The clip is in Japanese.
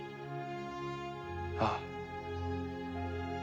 ああ。